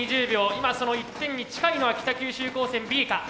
今その１点に近いのは北九州高専Ｂか。